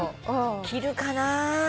切るかなぁ。